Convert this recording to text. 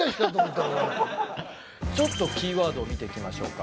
ちょっとキーワードを見ていきましょうか。